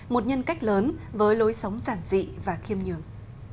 một nhân cách lớn với lối sống giản dị và khiêm nhường